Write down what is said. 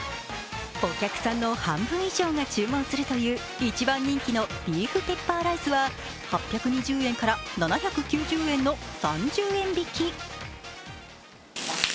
お客さんの半分以上が注文するという一番人気のビーフペッパーライスは８２０円から７９０円の３０円引き。